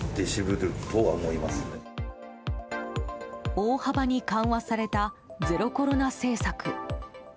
大幅に緩和されたゼロコロナ政策。